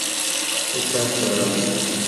اطاق ته راغلو.